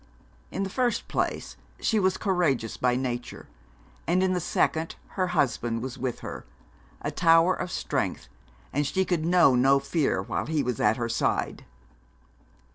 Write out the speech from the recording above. In the first place, she was courageous by nature, and in the second her husband was with her, a tower of strength, and she could know no fear while he was at her side.